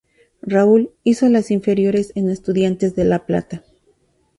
Raúl, hizo las inferiores en Estudiantes de La Plata.